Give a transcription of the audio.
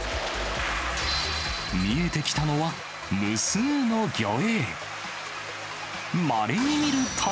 見えてきたのは無数の魚影。